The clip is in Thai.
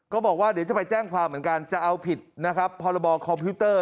บอกว่าเดี๋ยวจะไปแจ้งความเหมือนกันจะเอาผิดนะครับพรบคอมพิวเตอร์